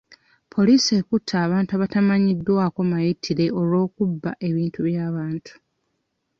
Poliisi ekutte anatu abatamanyiddwako mayitire olw'okubba ebuntu by'abantu.